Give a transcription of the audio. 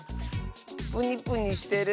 プニプニしてる？